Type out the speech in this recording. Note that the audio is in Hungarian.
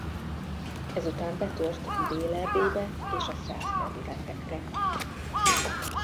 Ezután betört Dél-Erdélybe és a szász területekre.